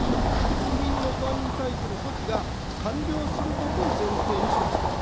国民の不安に対する措置が完了することを前提にしますと。